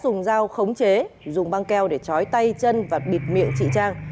đức đã dùng dao khống chế dùng băng keo để chói tay chân và bịt miệng chị trang